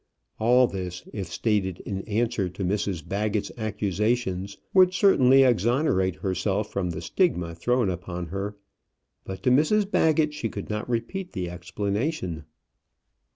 All this, if stated in answer to Mrs Baggett's accusations, would certainly exonerate herself from the stigma thrown upon her, but to Mrs Baggett she could not repeat the explanation.